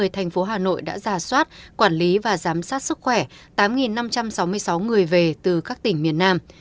một mươi thành phố hà nội đã giả soát quản lý và giám sát sức khỏe tám năm trăm sáu mươi sáu người về từ các tỉnh miền nam